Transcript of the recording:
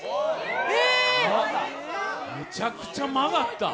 ええっむちゃくちゃ曲がった